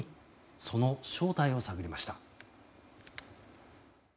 その正体を探りました。